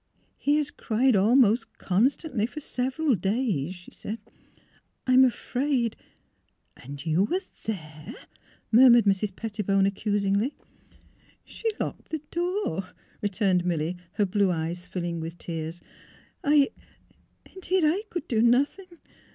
*' He has cried almost constantly for several days," she said. '' I am afraid "'' And you were there? ' murmured Mrs. Petti bone, accusingly. '' She locked the door," returned Milly, her blue eyes filling with tears. '' I — indeed, I could do nothing.